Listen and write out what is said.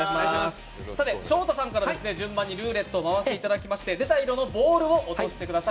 昇太さんから順番にルーレットを回していただきまして出た色のボールを落としてください。